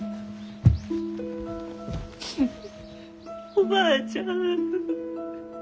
おばあちゃん。